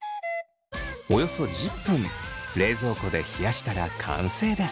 およそ１０分冷蔵庫で冷やしたら完成です。